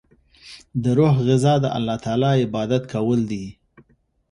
د روح غذا د الله تعالی عبادت کول دی.